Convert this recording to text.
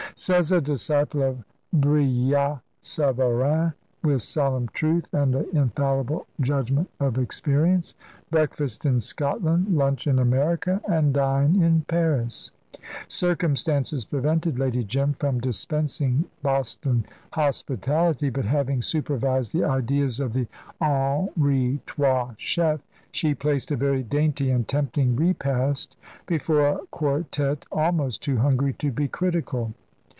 Says a disciple of Brillat Savarin, with solemn truth and the infallible judgment of experience, "Breakfast in Scotland, lunch in America, and dine in Paris." Circumstances prevented Lady Jim from dispensing Boston hospitality, but having supervised the ideas of the Henri Trois chef, she placed a very dainty and tempting repast before a quartette almost too hungry to be critical.